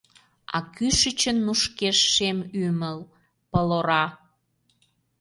А кӱшычын нушкеш шем ӱмыл — пыл ора.